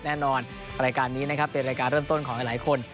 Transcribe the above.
แน่นอนรายการนี้นะครับเป็นรายการเริ่มต้นของหลายคน